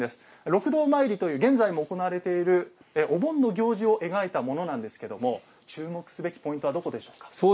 六道まいりという現在も行われているお盆の行事を描いたものなんですが注目すべきポイントはどこでしょう。